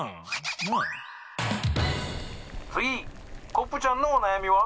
コップちゃんのおなやみは？」。